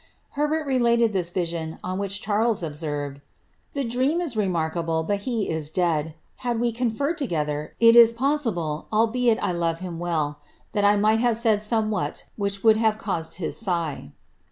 Herbert related this vision, on which srved, ^ The dream is remarkable, but he is dead ; had we gether, it is possible (albeit I loved him well) that 1 might mewhat which would have caused his sigh."'